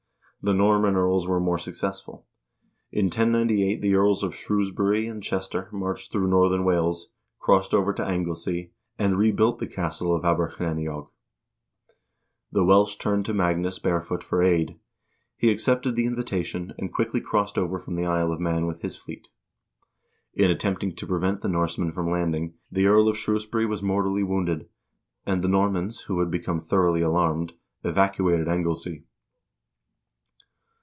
The Norman earls were more successful. In 1098 the earls of Shrewsbury and Chester marched through northern Wales, crossed over to Anglesea, and rebuilt the castle of Aberlleiniog. The Welsh turned to Magnus Barefoot for aid. He accepted the invitation, and quickly crossed over from the Isle of Man with his fleet. In attempting to prevent the Norsemen from landing, the Earl of Shrewsbury was mortally wounded, and the Normans, who had become thoroughly alarmed, evacuated Anglesea.